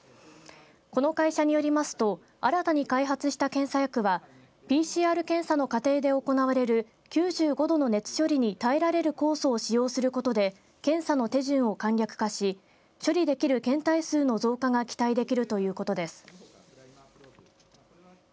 この会社によりますと新たに開発した検査薬はＰＣＲ検査の過程で行われる９５度の熱処理に耐えられる酵素を使用することで検査の手順を簡略化し処理できる検体数の増加が期待できるということです。